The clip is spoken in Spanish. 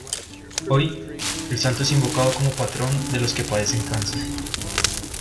Hoy, el Santo es invocado como patrón de los que padecen cáncer.